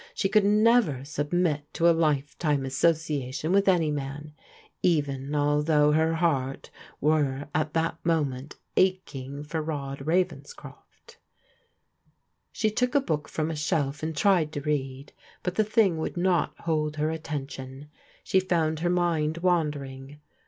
She could never submit to a lifetime association with any man, even al tfaou^ her heart were at that moment aching for Rod £avenscroft. MISS STATHAM'* 359 She took a book from a shelf and tried to read, but the thing would not hold her attention ; she found her mind wandering.